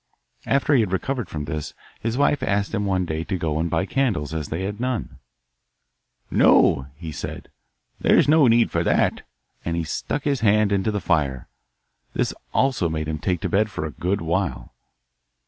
After he had recovered from this his wife asked him one day to go and buy candles, as they had none. 'No,' he said, 'there's no need for that;' and he stuck his hand into the fire. This also made him take to bed for a good while.